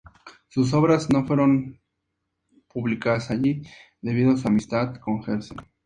Sus obras no fueron publicadas allí debido a su amistad con Herzen.